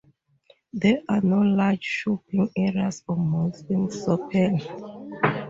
There are no large shopping areas or malls in Sopela.